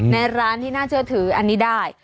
ในร้านที่น่าเชื่อถืออันนี้ได้